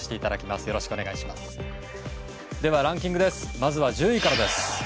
まずは１０位からです。